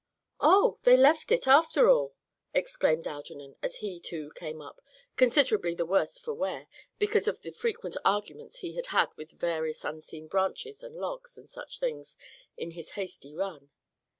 "Oh! they left it after all!" exclaimed Algernon, as he too came up, considerably the worse for wear, because of the frequent arguments he had had with various unseen branches and logs and such things, in his hasty run.